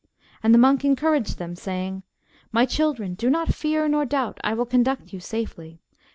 And the monk encouraged them, saying, My children, do not fear nor doubt, I will conduct you safely.